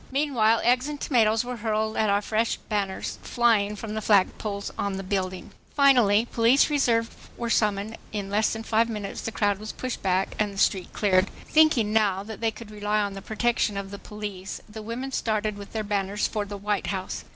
Meanwhile eggs and tomatoes were hurled at our fresh banners flying from the flag poles on the building. Finally police reserves were summoned and in less than five minutes the crowd was pushed back and the street cleared. Thinking now that they could rely on the protection of the police, the women started with their banners for the White House.